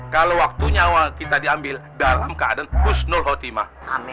kalau waktunya kita diambil dalam keadaan hushnul khotimah